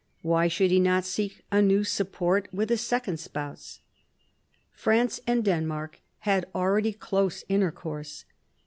Why should he not seek a new support with a second spouse 1 France and Denmark had already close intercourse.